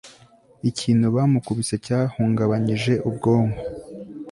ikintu bamukubise cyahungabanyije ubwonko